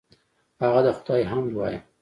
هغه د خدای حمد وایه.